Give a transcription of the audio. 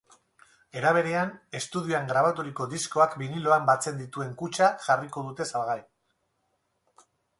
Era berean, estudioan grabaturiko diskoak biniloan batzen dituen kutxa jarriko dute salgai.